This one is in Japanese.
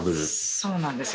そうなんですよ。